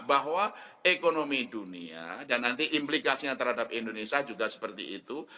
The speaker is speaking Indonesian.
bahwa ekonomi dunia dan nanti implikasinya terhadap indonesia juga seperti itu